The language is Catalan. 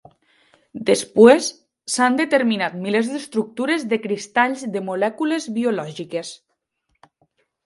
Després s'han determinat milers d'estructures dels cristalls de molècules biològiques.